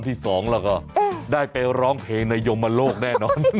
ที่สองแล้วก็ได้ไปร้องเพลงในยมโลกแน่นอน